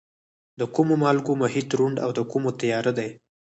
د کومو مالګو محیط روڼ او د کومو تیاره دی؟